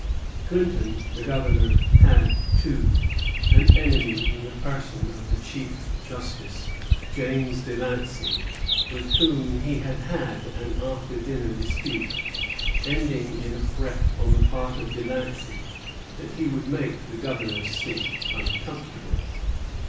Clinton, the governor, had, too, an enemy in the person of the Chief Justice, James de Lancey, with whom he had had an after dinner dispute, ending in a threat on the part of De Lancey that he would make the Governor's seat uncomfortable.